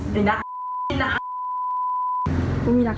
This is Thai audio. หลานปกโตตอนหน่อยทำให้วายล่ะ